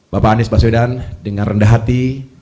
bapak anies baswedan dengan rendah hati